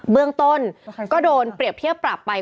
เบื้องต้นก็โดนเปรียบเทียบปรับไป